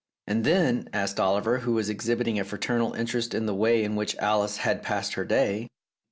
"And then?" asked Oliver, who was exhibiting a fraternal interest in the way in which Alice had passed her day.